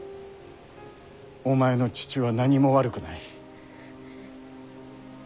お前の父は何も悪くない。